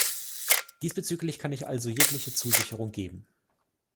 Diesbezüglich kann ich also jegliche Zusicherung geben.